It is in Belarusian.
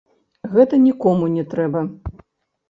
Гэта нікому не трэба.